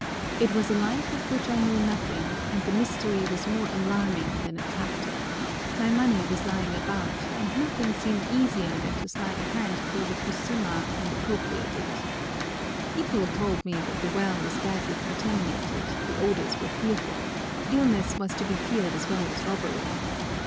It was a life of which I knew nothing, and the mystery was more alarming than attractive; my money was lying about, and nothing seemed easier than to slide a hand through the fusuma and appropriate it. Ito told me that the well was badly contaminated, the odours were fearful; illness was to be feared as well as robbery!